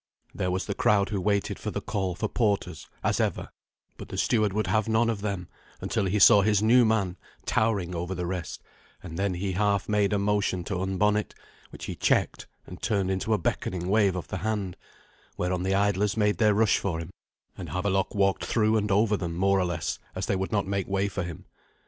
There was the crowd who waited for the call for porters, as ever; hut the steward would have none of them, until he saw his new man towering over the rest, and then he half made a motion to unbonnet, which he checked and turned into a beckoning wave of the hand, whereon the idlers made their rush for him, and Havelok walked through and over them, more or less, as they would not make way for him.